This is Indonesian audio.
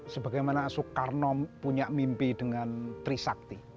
sebagaimana soekarno punya mimpi dengan trisakti